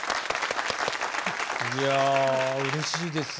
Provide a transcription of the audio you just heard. いやうれしいです。